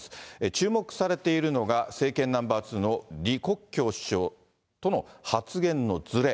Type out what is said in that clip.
注目されているのが、政権ナンバー２の李克強首相との発言のずれ。